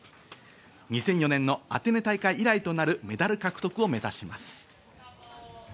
２００４年のアテネ大会以来となるメダル獲得を目指します。